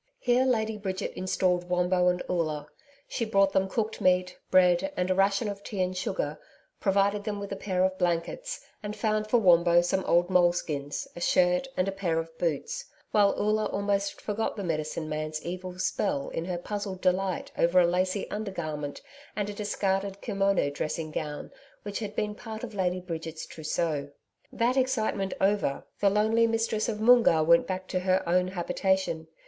Here Lady Bridget installed Wombo and Oola. She brought them cooked meat, bread and a ration of tea and sugar, provided them with a pair of blankets, and found for Wombo some old moleskins, a shirt, and a pair of boots, while Oola almost forgot the medicine man's evil spell in her puzzled delight over a lacey undergarment and a discarded kimono dressing grown, which had been part of Lady Bridget's trousseau. That excitement over, the lonely mistress of Moongarr went back to her own habitation.